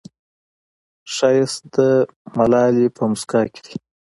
ښایست د ملالې په موسکا کې دی